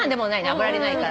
油入れないから。